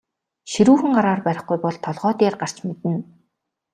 Ширүүхэн гараар барихгүй бол толгой дээр гарч мэднэ.